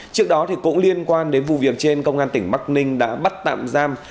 trước đó cũng liên quan đến vụ việc trên công an tỉnh bắc ninh đã bắt tạm giam